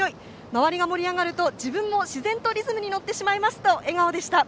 周りが盛り上がると自分も自然とリズムに乗ってしまいますと笑顔でした。